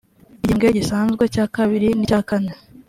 igihembwe gisanzwe cya kabiri n icya kane